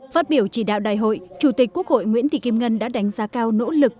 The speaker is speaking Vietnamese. phát biểu chỉ đạo đại hội chủ tịch quốc hội nguyễn thị kim ngân đã đánh giá cao nỗ lực